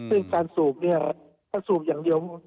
ซึ่งการสูบเนี่ยถ้าสูบอย่างเดียว